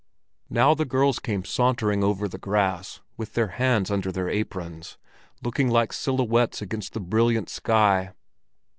Now the girls came sauntering over the grass, with their hands under their aprons, looking like silhouettes against the brilliant sky.